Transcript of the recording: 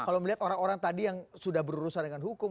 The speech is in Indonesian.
kalau melihat orang orang tadi yang sudah berurusan dengan hukum